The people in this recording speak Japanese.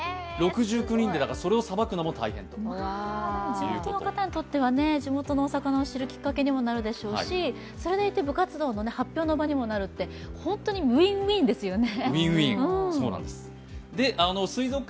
地元の方にとっては地元のお魚を知るきっかけにもなるでしょうし、それで部活動の発表の場にもなるって本当にウィン・ウィンですよね。